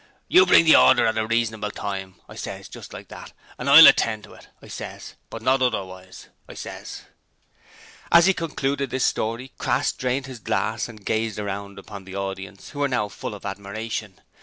"You bring the horder at a reasonable time," I ses just like that "and I'll attend to it," I ses, "but not otherwise," I ses.' As he concluded this story, Crass drained his glass and gazed round upon the audience, who were full of admiration.